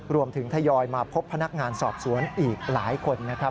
ทยอยมาพบพนักงานสอบสวนอีกหลายคนนะครับ